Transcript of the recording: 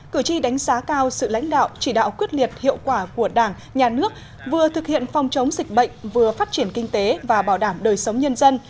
cử tri đánh giá cao sự lãnh đạo chỉ đạo quyết liệt hiệu quả của đảng nhà nước vừa thực hiện phòng chống dịch bệnh vừa phát triển kinh tế và bảo đảm đời sống nhân dân